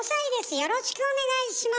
よろしくお願いします。